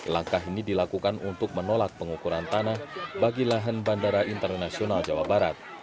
langkah ini dilakukan untuk menolak pengukuran tanah bagi lahan bandara internasional jawa barat